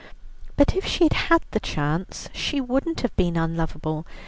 "But if she had had the chance she wouldn't have been unlovable.